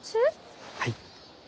はい。